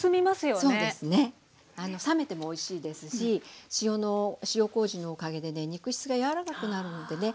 そうですね冷めてもおいしいですし塩こうじのおかげで肉質が柔らかくなるのでね